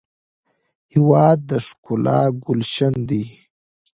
هېواد د ښکلا ګلشن دی.